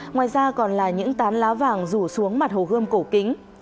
ngoài ra còn là những tán lá vàng rủ xuống mặt hồ gươm cổ kính